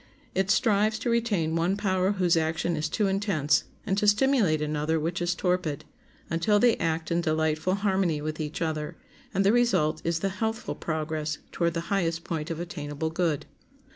It strives to retain one power whose action is too intense, and to stimulate another which is torpid, until they act in delightful harmony with each other, and the result is the healthful progress toward the highest point of attainable good.